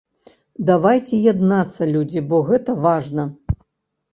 Давайце яднацца, людзі, бо гэта важна!